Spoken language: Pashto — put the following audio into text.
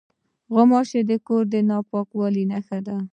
غوماشې د کور د ناپاکۍ نښه دي.